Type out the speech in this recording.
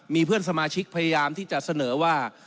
มีเพื่อนสมาชิกพยายามที่จะเสนอว่า